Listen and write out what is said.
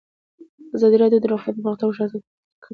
ازادي راډیو د روغتیا پرمختګ او شاتګ پرتله کړی.